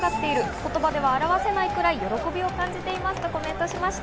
言葉では表せないくらい喜びを感じていますとコメントしました。